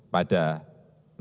pada hari ini